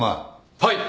はい。